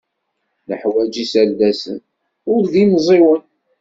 Neḥwaj iserdasen, ur d imẓiwen.